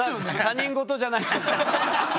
他人事じゃない。